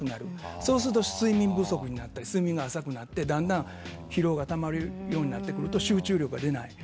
そうすると睡眠不足になったり睡眠が浅くなって、だんだん疲労がたまるようになると集中力が出ない。